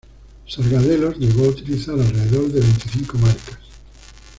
Sargadelos llegó a utilizar alrededor de veinticinco marcas.